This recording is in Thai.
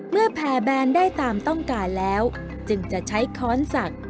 เมื่อแผ่แบนได้ตามต้องการแล้วจึงจะใช้ข้อนสัก